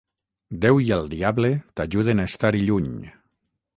Déu i el diable t'ajuden a estar-hi lluny!